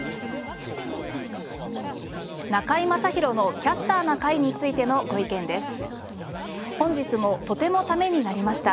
『中居正広のキャスターな会』についてのご意見です。